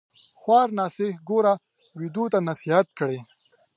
خوار ناصح ګوره ويدو تـــه نصيحت کړي